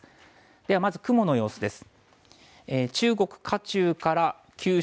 では、まず雲の様子です。